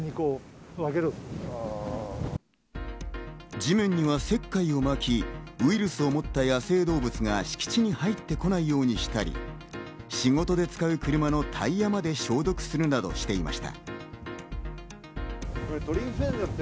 地面には石灰を撒き、ウイルスをもった野生動物が敷地に入ってこないようにしたり、仕事で使う車のタイヤまで消毒するなどしていました。